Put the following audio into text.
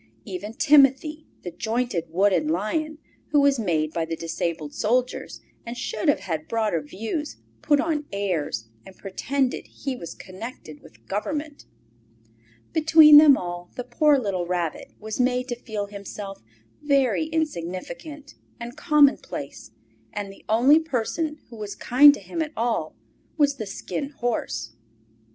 Even Timothy, the jointed wooden lion, who was made by the disabled soldiers, and should have had broader views, put on airs and pretended he was connected with Government. Between them all the poor little Rabbit was made to feel himself very insignificant and commonplace, and the only person who was kind to him at all was the Skin Horse.